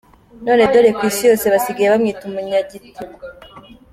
None dore ku isi yose basigaye bamwita umunyagitugu.